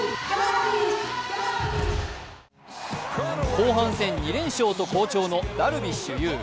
後半戦２連勝と好調のダルビッシュ有。